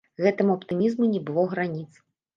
Гэтаму аптымізму не было граніц.